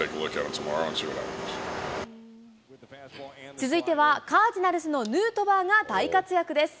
続いては、カージナルスのヌートバーが大活躍です。